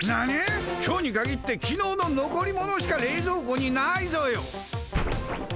今日にかぎってきのうの残り物しかれいぞうこにないぞよ！